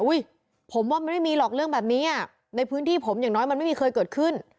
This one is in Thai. ผมว่ามันไม่มีหรอกเรื่องแบบนี้ในพื้นที่ผมอย่างน้อยมันไม่มีเคยเกิดขึ้น